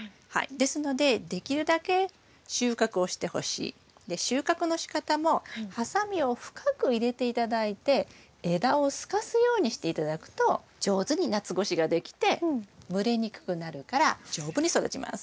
で収穫のしかたもハサミを深く入れて頂いて枝をすかすようにして頂くと上手に夏越しができて蒸れにくくなるから丈夫に育ちます。